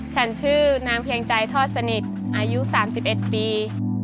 ฉันชื่อนางเพียงใจทอดสนิทอายุ๓๑ปี